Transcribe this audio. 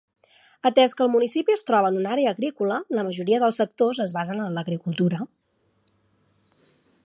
Atès que el municipi es troba en una àrea agrícola, la majoria dels sectors es basen en la agricultura.